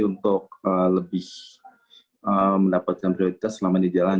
untuk lebih mendapatkan prioritas selama ini jalan